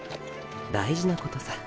大事なことさ。